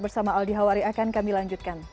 bersama aldi hawari akan kami lanjutkan